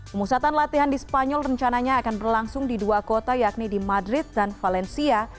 pemusatan latihan di spanyol rencananya akan berlangsung di dua kota yakni di madrid dan valencia